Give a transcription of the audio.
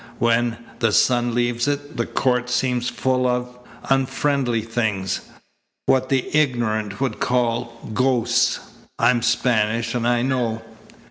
"When the sun leaves it, the court seems full of, unfriendly things what the ignorant would call, ghosts. I'm Spanish and I know."